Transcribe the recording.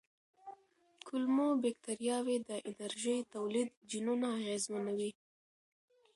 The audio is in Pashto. کولمو بکتریاوې د انرژۍ تولید جینونه اغېزمنوي.